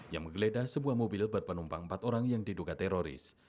yang menggeledah sebuah mobil berpenumpang empat orang yang diduga teroris